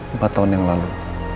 empat tahun yang lalu